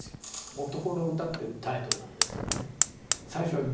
「おとこの詩」っていうタイトルなんですけどね。